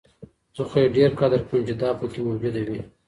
زه خو يې ډېر قدر كړم چي دا پكــــي مــوجـــوده وي